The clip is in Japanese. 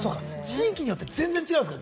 地域によって全然違うんですか？